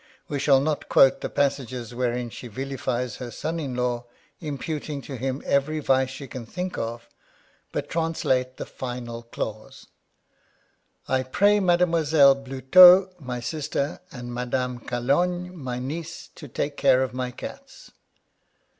We shall not quote the passages wherein she vilifies her son in law, imput ing to him every vice she can think of, but translate the final clause : I pray Mademoiselle Bluteau, my sister, and Madame Calogne, my niece, to take care of my cats.